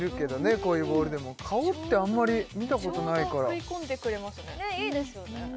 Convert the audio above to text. こういうボールでも顔ってあんまり見たことないからちょうど食い込んでくれますねいいですよね